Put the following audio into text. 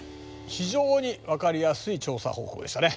非常に分かりやすい調査報告でしたね。